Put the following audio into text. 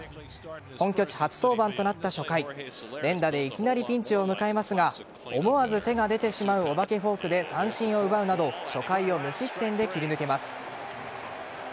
本拠地初登板となった初回連打でいきなりピンチを迎えますが思わず手が出てしまうお化けフォークで三振を奪うなど初回を無失点で切り抜けます。